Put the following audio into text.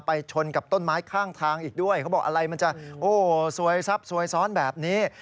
ชนกับต้นไม้ข้างทางอีกด้วยเขาบอกอะไรมันจะโอ้สวยซับซวยซ้อนแบบนี้